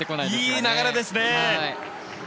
いい流れですね。